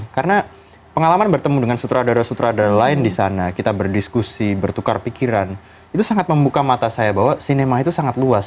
karena pengalaman bertemu dengan sutradara sutradara lain di sana kita berdiskusi bertukar pikiran itu sangat membuka mata saya bahwa sinema itu sangat luas